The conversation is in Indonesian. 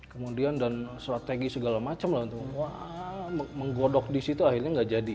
kemudian dan strategi segala macam lah menggodok di situ akhirnya nggak jadi